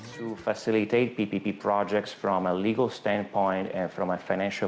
kami mempermudah proyek ppp dari sudut pandang legal dan dari sudut pandang keuntungan finansial